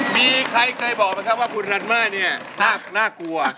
มีใครเคยบอกไหมครับว่าคุณรันมาเนี่ยน่ากลัว